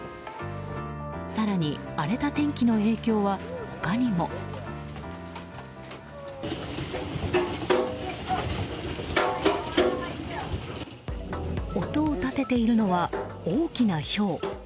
更に荒れた天気の影響は、他にも。音を立てているのは大きなひょう。